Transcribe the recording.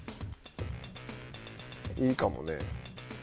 いいかもね。